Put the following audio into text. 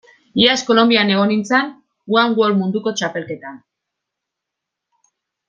Iaz Kolonbian egon nintzen one wall munduko txapelketan.